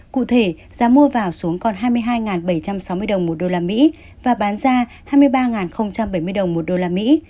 cụ thể giá mua vào xuống còn hai mươi hai bảy trăm sáu mươi đồng một đô la mỹ và bán ra hai mươi ba bảy mươi đồng một đô la mỹ